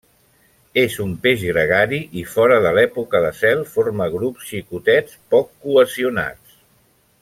És un peix gregari i fora de l'època de zel forma grups xicotets poc cohesionats.